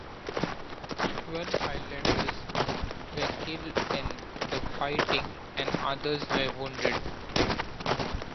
Twelve islanders were killed in the fighting and others were wounded.